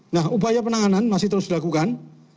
nah upaya penanganan masih terus dilakukan